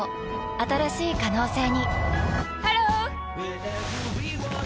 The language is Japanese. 新しい可能性にハロー！